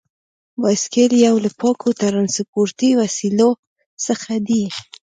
بایسکل یو له پاکو ترانسپورتي وسیلو څخه دی.